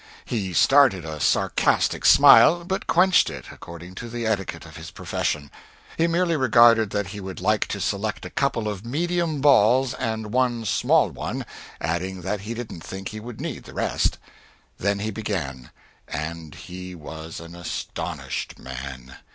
He started a sarcastic smile, but quenched it, according to the etiquette of his profession. He merely remarked that he would like to select a couple of medium balls and one small one, adding that he didn't think he would need the rest. Then he began, and he was an astonished man.